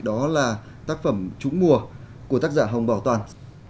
đó là tác phẩm trúng mùa của tác giả hồng bảo toàn